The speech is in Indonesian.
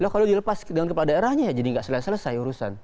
kalau dilepas dengan kepala daerahnya ya jadi nggak selesai selesai urusan